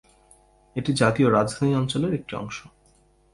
এটি জাতীয় রাজধানী অঞ্চলের একটি অংশ।